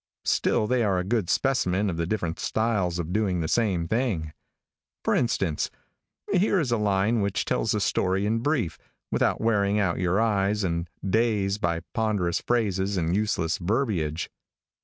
Still they are a good specimen of the different styles of doing the same thing. For instance, here is a line which tells the story in brief, without wearing out your eyes and days by ponderous phrases and useless verbiage.